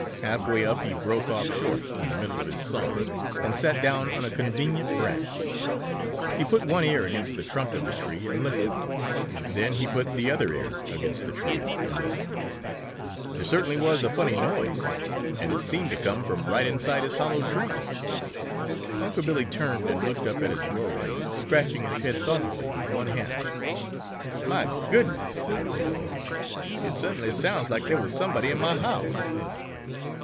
Half way up he broke off short in the middle of his song and sat down on a convenient branch. He put one ear against the trunk of the tree and listened. Then he put the other ear against the tree and listened. There certainly was a funny noise, and it seemed to come from right inside his hollow tree. Unc' Billy turned and looked up at his doorway, scratching his head thoughtfully with one hand. "Mah goodness!" said Unc' Billy, "it cert'nly sounds like there was somebody in mah house!"